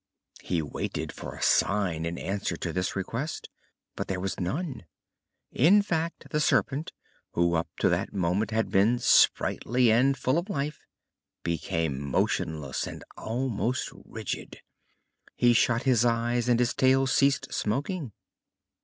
He waited for a sign in answer to this request, but there was none; in fact, the Serpent, who up to that moment had been sprightly and full of life, became motionless and almost rigid. He shut his eyes and his tail ceased smoking.